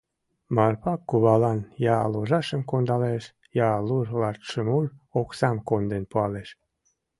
Марпа кувалан я ложашым кондалеш, я лур-латшымур оксам конден пуалеш.